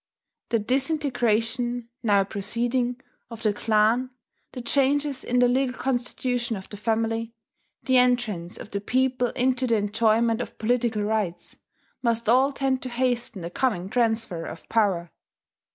The disintegration (now proceeding) of the clan, the changes in the legal constitution of the family, the entrance of the people into the enjoyment of political rights, must all tend to hasten the coming transfer of power.